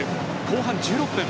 後半１６分。